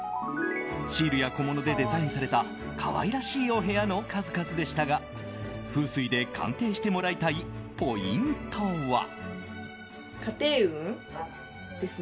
シールや小物でデザインされた可愛らしいお部屋の数々でしたが風水で鑑定してもらいたいポイントは。